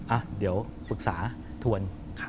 อ่ะเดี๋ยวปรึกษาทวน